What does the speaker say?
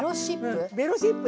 「ベロシップ」？